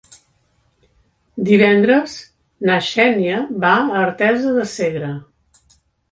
Divendres na Xènia va a Artesa de Segre.